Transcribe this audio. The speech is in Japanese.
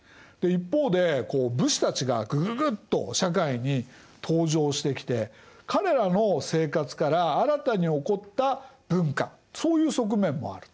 一方でこう武士たちがぐぐぐっと社会に登場してきて彼らの生活から新たに興った文化そういう側面もある。